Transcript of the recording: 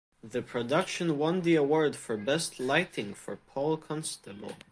The production won the award for Best Lighting for Paule Constable.